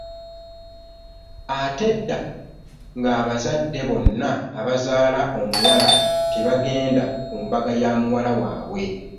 Ate edda ng’abazadde bonna abazaala omuwala tebagenda ku mbaga ya muwala waabwe.